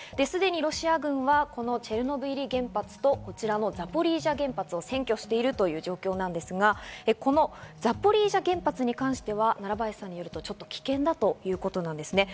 すでにロシア軍はこのチェルノブイリ原発と、こちらのザポリージャ原発を占拠しているという状況なんですが、このザポリージャ原発に関しては奈良林さんによると、ちょっと危険だということです。